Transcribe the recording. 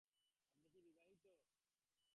আপনি কি বিবাহিত?